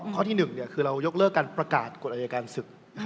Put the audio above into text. ข้อที่๑คือเรายกเลิกการประกาศกฎอายการศึก